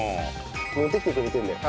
持ってきてくれてるんだよ